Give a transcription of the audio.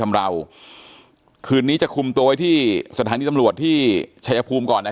เราคืนนี้จะคุมตัวไว้ที่สถานีตำรวจที่ชัยภูมิก่อนนะ